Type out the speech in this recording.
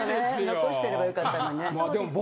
残してればよかったのにね。